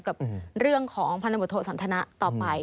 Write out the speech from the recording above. กับเรื่องของพันธบทโทสันทนะต่อไป